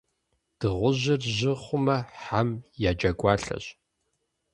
Дыгъужьыр жьы хъумэ, хьэм я джэгуалъэщ.